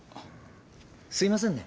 すいませんね。